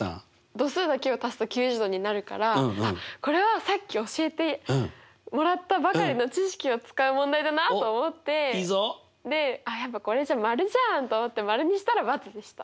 度数だけを足すと９０°になるからこれはさっき教えてもらったばかりの知識を使う問題だなと思ってでやっぱこれ○じゃんと思って○にしたら×でした。